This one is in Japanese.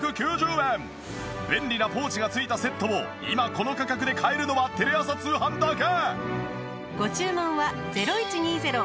便利なポーチが付いたセットを今この価格で買えるのはテレ朝通販だけ！